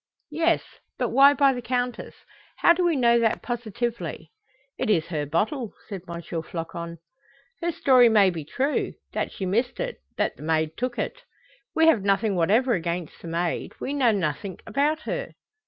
"Yes; but why by the Countess? How do we know that positively?" "It is her bottle," said M. Floçon. "Her story may be true that she missed it, that the maid took it." "We have nothing whatever against the maid. We know nothing about her."